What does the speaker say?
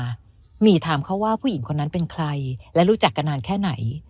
หมี่ถามเขาว่าผู้หญิงคนนั้นเป็นใครและรู้จักกันนานแค่ไหน